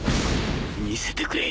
見せてくれ。